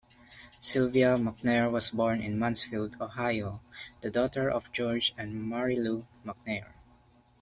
Sylvia McNair was born in Mansfield, Ohio, the daughter of George and Marilou McNair.